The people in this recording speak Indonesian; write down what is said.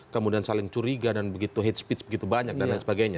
kemudian saling curiga dan begitu hate speech begitu banyak dan lain sebagainya